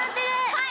はい！